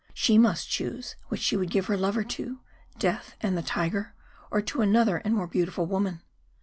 She must choose which she would give her lover to death and the tiger, or to another and more beautiful woman.